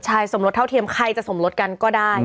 ใช่สมรสเท่าเทียมใครจะสมรสกันก็ได้